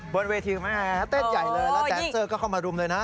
บนเวทีแม่เต้นใหญ่เลยแล้วแดนเซอร์ก็เข้ามารุมเลยนะ